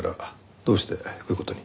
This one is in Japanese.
どうしてこういう事に？